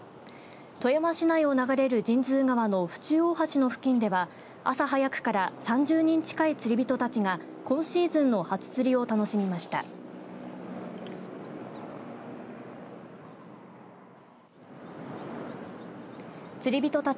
富山市内を流れる神通川の婦中大橋の付近では朝早くから３０人近い釣り人たちが今シーズンの初釣りを楽しみました。